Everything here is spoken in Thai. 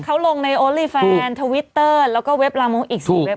เขาลงในโอลี่แฟนทวิตเตอร์แล้วก็เว็บลามกอีก๒เว็บ